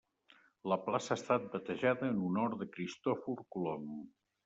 La plaça ha estat batejada en honor de Cristòfor Colom.